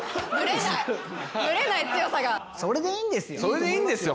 それでいいんですよ。